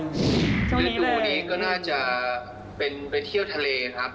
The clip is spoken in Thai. รูปนี้ก็น่าจะเป็นไปที่เกี่ยวทะเลนะครับ